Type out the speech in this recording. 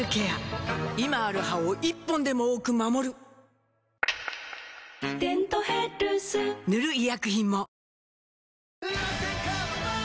今ある歯を１本でも多く守る「デントヘルス」塗る医薬品も